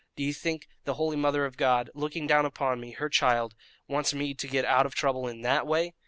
Do you think the holy Mother of God looking down upon me, her child wants me to get out of trouble in that way?"